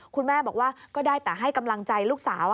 คุณแม่บอกว่าก็ได้แต่ให้กำลังใจลูกสาว